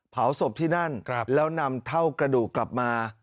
เผาศพที่นั่นแล้วนำเท่ากระดูกกลับมา